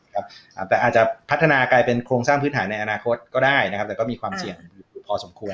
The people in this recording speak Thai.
แต่อาจจะพัฒนากลายเป็นโครงสร้างพื้นฐานในอนาคตก็ได้นะครับแต่ก็มีความเสี่ยงอยู่พอสมควร